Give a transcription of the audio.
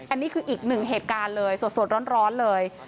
อันนี้คืออีกหนึ่งเหตุการณ์เลยสดร้อนเลย